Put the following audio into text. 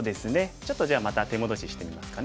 ちょっとじゃあまた手戻ししてみますかね。